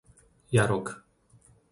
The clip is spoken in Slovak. Jarok